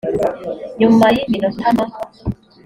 nyuma y iminota nka